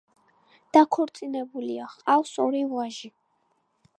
დაქორწინებულია, ჰყავს ორი ვაჟი.